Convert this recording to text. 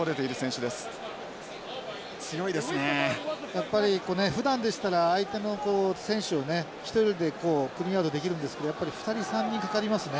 やっぱりふだんでしたら相手の選手をね１人でクリーンアウトできるんですけどやっぱり２人３人かかりますね。